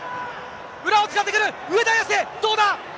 裏を使ってくる、上田綺世、どうだ。